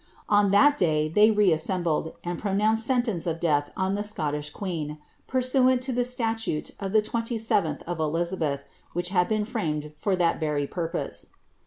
On that day they re* issembled, and pronounced sentence of death on the Scottish queen, pur RHWt to the statute of the 27th of Elizabeth, which had been framed for hat Tery purpose.